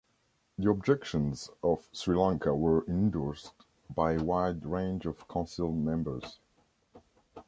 The objections of Sri Lanka were endorsed by a wide range of Council members.